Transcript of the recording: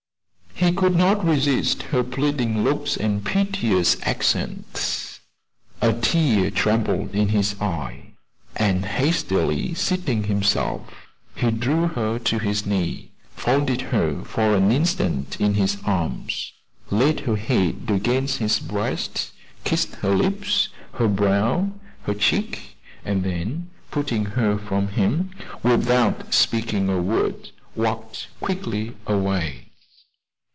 He could not resist her pleading looks and piteous accents. A tear trembled in his eye, and hastily seating himself, he drew her to his knee, folded her for an instant in his arms, laid her head against his breast, kissed her lips, her brow, her cheek; and then putting her from him, without speaking a word, walked quickly away.